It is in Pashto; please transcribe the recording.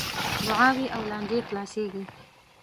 دعاوې او لانجې خلاصیږي .